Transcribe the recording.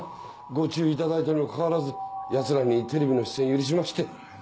ご注意いただいたにもかかわらずヤツらにテレビの出演許しまして。